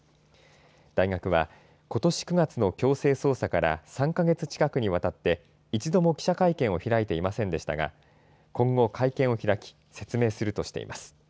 大学は、ことし９月の強制捜査から３か月近くにわたって、一度も記者会見を開いていませんでしたが、今後、会見を開き説明するとしています。